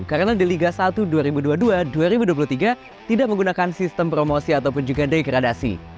karena di liga satu dua ribu dua puluh tiga dua ribu dua puluh dua tidak menggunakan sistem promosi ataupun juga degradasi